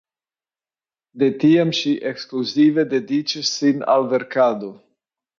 De tiam ŝi ekskluzive dediĉis sin al verkado.